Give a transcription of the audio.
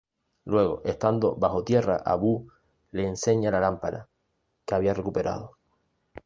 Luego, estando bajo tierra, Abú le enseña la lámpara, que había recuperado.